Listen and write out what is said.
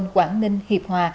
quảng ninh hiệp hòa